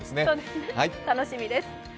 楽しみです。